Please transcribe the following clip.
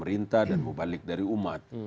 perintah dan mubalik dari umat